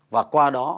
và qua đó